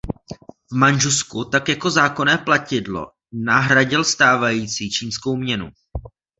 V Mandžusku tak jako zákonné platidlo nahradil stávající čínskou měnu.